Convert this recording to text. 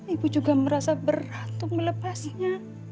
ibu juga merasa berat untuk melepasinya